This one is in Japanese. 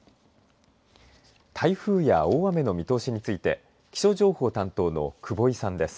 台風や大雨の見通しについて気象情報担当の久保井さんです。